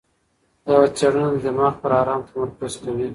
یوه څېړنه د دماغ پر ارام تمرکز کوي.